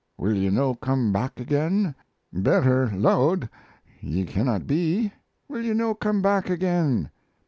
Will ye no come back again? Better lo'ed ye canna be, Will ye no come back again?